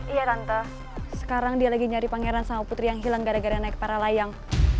iya kanta sekarang dia lagi nyari pangeran sama putri yang hilang gara gara naik para layang